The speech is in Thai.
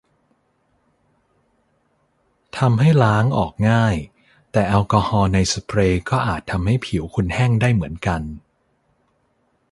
ทำให้ล้างออกง่าย แต่แอลกอฮอล์ในสเปรย์ก็อาจทำให้ผิวคุณแห้งได้เหมือนกัน